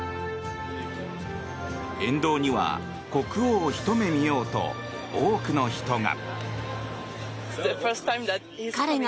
沿道には国王をひと目見ようと多くの人が。